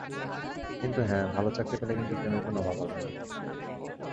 কিন্তু হ্যাঁ, ভালো চাকরি পেলে কিন্তু প্রেমের কোনো অভাব হবে না।